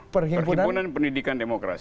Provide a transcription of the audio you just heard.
perhimpunan pendidikan demokrasi